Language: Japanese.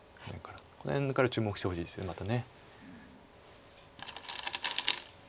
この辺から注目してほしいですよねまた。